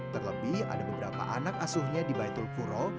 terlebih ada beberapa anak asuhnya di baitul kuro